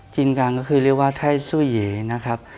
จีนกลางก็คือไทยสุยียะ